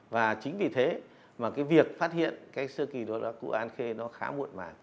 và chính vì thế mà việc phát hiện sơ kỳ đá cũ an khê khá muộn màn